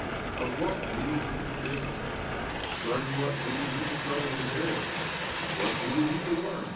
Of what needed he to think? Con cerning what needed he to trouble his head ? What needed he to learn?